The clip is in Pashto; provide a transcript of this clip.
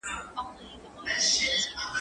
هغه وويل چي موسيقي ګټوره ده؟!